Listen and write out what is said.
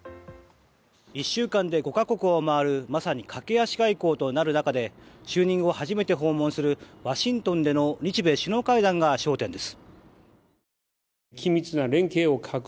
１週間で５か国を回るまさに駆け足外交となる中で就任後初めて訪問するワシントンでの日米首脳会談が焦点です。